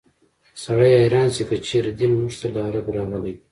سړی حیران شي که چېرې دین موږ ته له عربو راغلی وي.